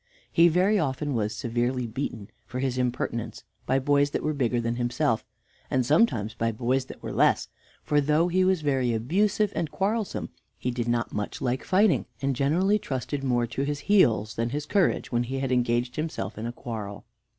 He very often was severely beaten for his impertinence by boys that were bigger than himself, and sometimes by boys that were less; for though he was very abusive and quarrelsome, he did not much like fighting, and generally trusted more to his heels than his courage when he had engaged himself in a quarrel.